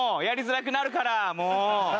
やりづらくなるからもう！